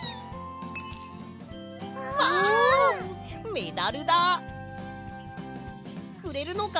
メダルだ！くれるのか？